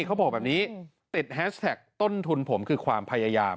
เขาบอกแบบนี้ติดแฮชแท็กต้นทุนผมคือความพยายาม